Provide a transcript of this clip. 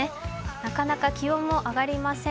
なかなか気温も上がりません。